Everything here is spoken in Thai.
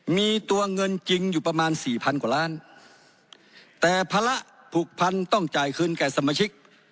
มีตัวเงินจริงอยู่ประมาณสี่พันกว่าล้านแต่ภาระผูกพันต้องจ่ายคืนแก่สมาชิก